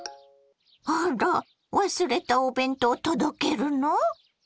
あら忘れたお弁当届けるの？